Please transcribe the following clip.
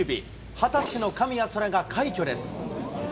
２０歳の神谷そらが快挙です。